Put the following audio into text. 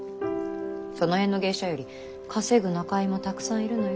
その辺の芸者より稼ぐ仲居もたくさんいるのよ。